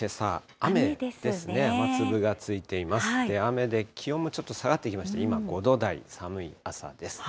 雨で気温もちょっと下がってきました、今、５度台、寒い朝です。